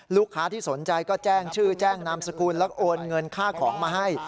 ลูกค้าที่สนใจก็แจ้งชื่อแจ้งนามสกุลแล้วก็โอนเงินค่าของมาให้